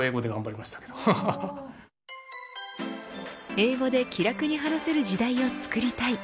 英語で気軽に話せる時代を作りたい。